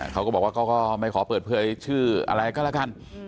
เขาก็บอกว่าเขาก็ไม่ขอเปิดเผยชื่ออะไรก็แล้วกัน